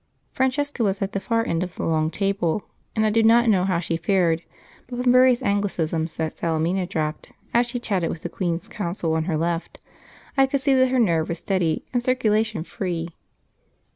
Francesca was at the far end of the long table, and I do not know how she fared, but from various Anglicisms that Salemina dropped, as she chatted with the Queen's Counsel on her left, I could see that her nerve was steady and circulation free.